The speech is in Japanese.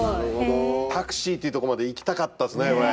タクシーっていうとこまで行きたかったですね。